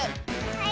はい。